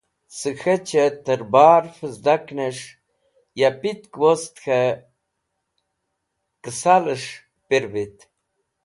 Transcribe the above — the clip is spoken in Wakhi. Cẽ k̃hechẽ tẽrbar fẽzdaknes̃h ya pitk wost k̃hẽ kẽsalẽs̃h pirvit.